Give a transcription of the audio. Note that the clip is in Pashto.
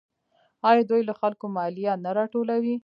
آیا دوی له خلکو مالیه نه راټولوي؟